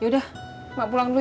yaudah mak pulang dulu ya